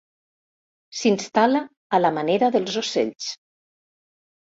S'instal·la a la manera dels ocells.